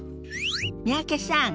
三宅さん